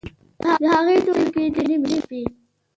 د هغې تورسرکي، د نیمې شپې